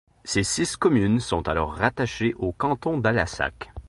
Ses six communes sont alors rattachées au canton d'Allassac.